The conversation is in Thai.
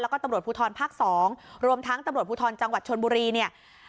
แล้วก็ตำรวจผู้ทรภักดิ์สองรวมทั้งตำรวจผู้ทรภัณฑ์จังหวัดชนบุรี